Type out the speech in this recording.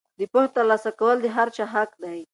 د پوهې ترلاسه کول د هر چا حق دی.